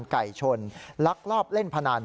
พนันไก่ชนลักรอบเล่นพนัน